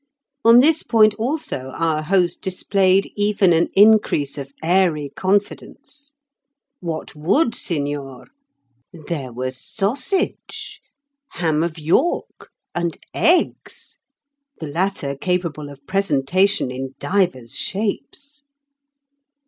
On this point also our host displayed even an increase of airy confidence. What would signor? There were sausage, ham of York, and eggs, the latter capable of presentation in divers shapes.